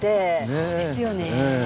そうですよね。